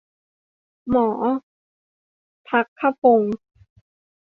หมอภัคพงศ์